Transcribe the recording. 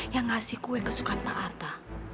yang ngasih kue kesukaan pak harta